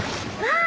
ああ！